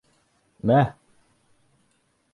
Мә.